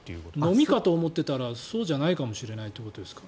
ノミかと思っていたらそうじゃないかもしれないということですか？